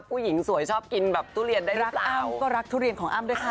ผู้หญิงสวยชอบกินแบบทุเรียนได้รักอ้ำก็รักทุเรียนของอ้ำด้วยค่ะ